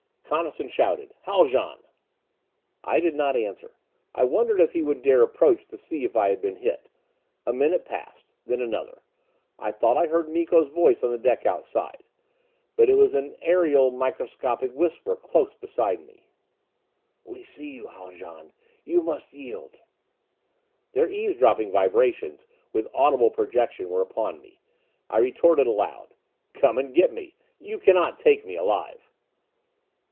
Coniston shouted, "Haljan!" I did not answer. I wondered if he would dare approach to see if I had been hit. A minute passed. Then another. I thought I heard Miko's voice on the deck outside. But it was an aerial, microscopic whisper close beside me. "We see you, Haljan! You must yield!" Their eavesdropping vibrations, with audible projection, were upon me. I retorted aloud. "Come and get me! You cannot take me alive."